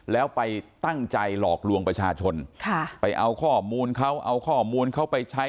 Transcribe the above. แล้วไปตั้งใจหลอกลวงประชาชนไปเอาข้อมูลเขาเอาข้อมูลเขาไปใช้